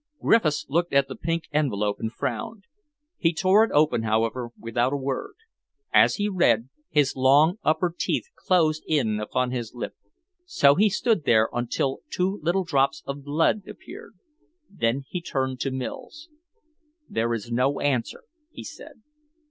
Griffiths looked at the pink envelope and frowned. He tore it open, however, without a word. As he read, his long, upper teeth closed in upon his lip. So he stood there until two little drops of blood appeared. Then he turned to Mills. "There is no answer," he said.